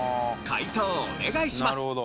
解答お願いします！